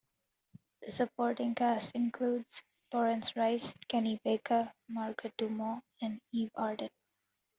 The supporting cast includes Florence Rice, Kenny Baker, Margaret Dumont, and Eve Arden.